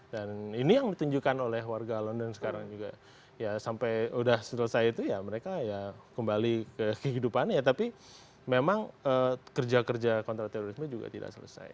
dan ini yang ditunjukkan oleh warga indonesia